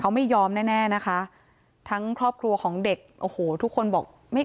เขาไม่ยอมแน่แน่นะคะทั้งครอบครัวของเด็กโอ้โหทุกคนบอกไม่